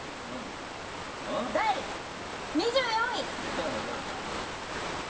第２４位！